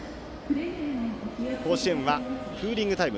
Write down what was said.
甲子園はクーリングタイム。